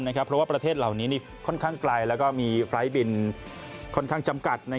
เพราะว่าประเทศเหล่านี้ค่อนข้างไกลแล้วก็มีไฟล์บินค่อนข้างจำกัด